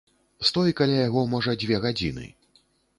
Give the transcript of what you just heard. Стой каля яго можа дзве гадзіны.